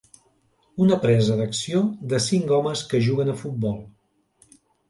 Una presa d'acció de cinc homes que juguen a futbol.